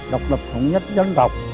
độc lập thống nhất dân tộc